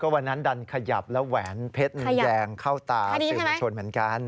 วันนั้นดันขยับแล้วแหวนเพชรแยงเข้าตาสื่อมวลชนเหมือนกัน